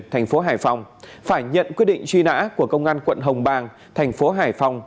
thành phố hải phòng phải nhận quyết định truy nã của công an quận hồng bàng thành phố hải phòng